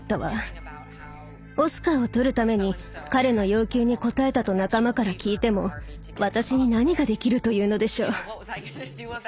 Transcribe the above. オスカーを取るために彼の要求に応えたと仲間から聞いても私に何ができるというのでしょう。